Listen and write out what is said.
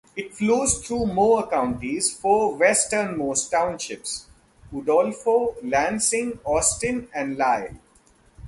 It flows through Mower County's four westernmost townships: Udolpho, Lansing, Austin, and Lyle.